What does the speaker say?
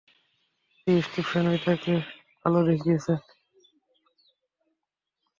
এই স্টিফম্যানই তাকে আলো দেখিয়েছে।